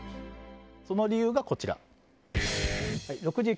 その理由がこちら。